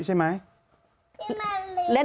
เล่นเกมที่นายชิตตี้แล้วก็